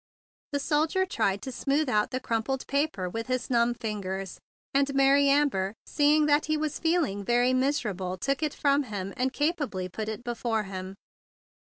The soldier tried to smooth out the crumpled paper with his numb fingers; and Mary Amber, seeing that he was feeling very miserable, took it from him, and capably put it before him.